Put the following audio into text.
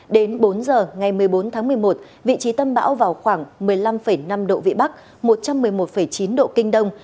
đến bốn giờ ngày một mươi bốn tháng một mươi một vị trí tâm bão vào khoảng một mươi năm năm độ vĩ bắc một trăm một mươi một chín độ kinh đông